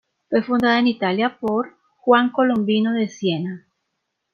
Fue fundada en Italia por Juan Colombino de Siena.